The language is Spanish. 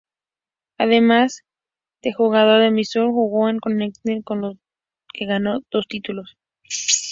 Además de jugar en Missouri jugó en Connecticut con los que ganó dos títulos.